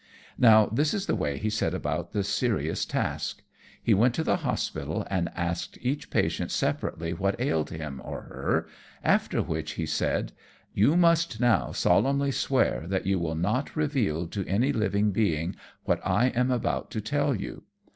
Now this is the way he set about the serious task. He went to the hospital and asked each patient separately what ailed him or her, after which he said: "You must now solemnly swear that you will not reveal to any living being what I am about to tell you."